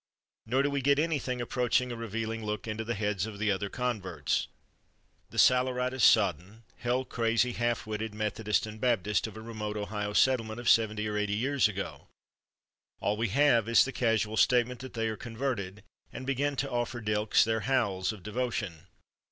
Nor do we get anything approaching a revealing look into the heads of the other converts—the saleratus sodden, hell crazy, half witted Methodists and Baptists of a remote Ohio settlement of seventy or eighty years ago. All we have is the casual statement that they are converted, and begin to offer Dylks their howls of devotion.